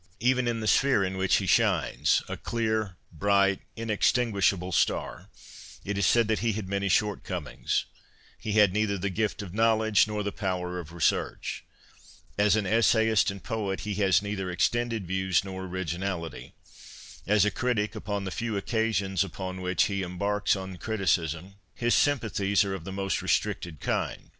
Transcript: Even in the sphere in which he shines — a clear, bright, inex tinguishable star — it is said that he had many short comings. ' He had neither the gift of knowledge nor 102 CONFESSIONS OF A BOOK LOVER the power of research. As an essayist and poet, he has neither extended views nor originality ; as a critic, upon the few occasions upon which he em barks on criticism his sympathies are of the most re stricted kind.'